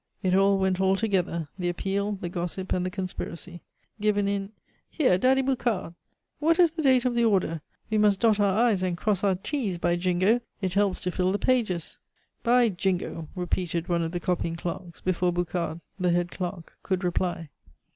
It all went all together, the appeal, the gossip, and the conspiracy. "Given in Here, Daddy Boucard, what is the date of the order? We must dot our i's and cross our t's, by Jingo! it helps to fill the pages." "By Jingo!" repeated one of the copying clerks before Boucard, the head clerk, could reply.